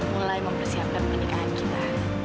mulai mempersiapkan pernikahan kita